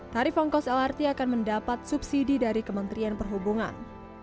tarif ongkos lrt akan mendapat subsidi dari kementerian perhubungan